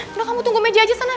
karena kamu tunggu meja aja sana